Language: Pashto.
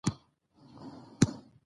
زۀ کولای شم چای وڅښم؟